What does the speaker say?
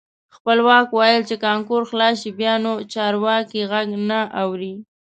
خپلواک ویل چې کانکور خلاص شي بیا نو چارواکي غږ نه اوري.